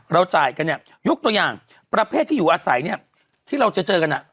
จ่ายกันเนี่ยยกตัวอย่างประเภทที่อยู่อาศัยเนี่ยที่เราจะเจอกันอ่ะ